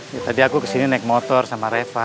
ya tadi aku kesini naik motor sama reva